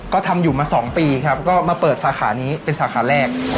ก็ทำอยู่มา๒ปีครับก็มาเปิดสาขานี้เป็นสาขาแรก